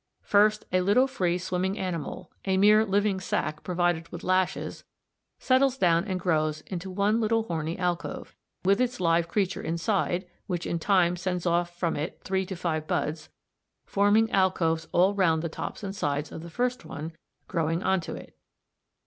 First a little free swimming animal, a mere living sac provided with lashes, settles down and grows into one little horny alcove, with its live creature inside, which in time sends off from it three to five buds, forming alcoves all round the top and sides of the first one, growing on to it.